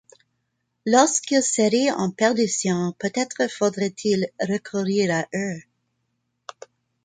Lorsqu’il serait en perdition, peut-être faudrait-il recourir à eux?...